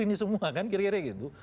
ini semua kan kira kira gitu